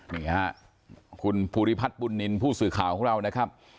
นี่ฮะคุณภูริพัฒน์บุญนินทร์ผู้สื่อข่าวของเรานะครับ